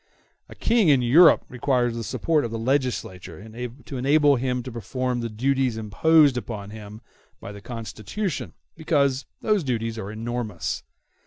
A King in Europe requires the support of the legislature to enable him to perform the duties imposed upon him by the Constitution, because those duties are enormous.